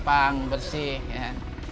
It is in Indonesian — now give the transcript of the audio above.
gampang bersih ya